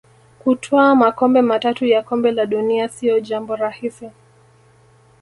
Kutwaa makombe matatu ya Kombe la dunia sio jambo rahisi